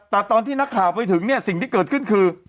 แต่ตอนที่นักข่าวไปถึงเนี่ยสิ่งที่เกิดขึ้นคือ